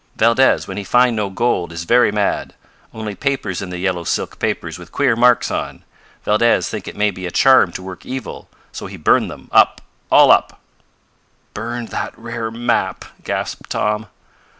"Valdez, when he find no gold is very mad. Only papers in the yellow silk papers with queer marks on. Valdez think it maybe a charm to work evil, so he burn them up all up!" "Burned that rare map!" gasped Tom.